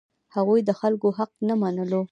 هغوی د خلکو حق نه منلو.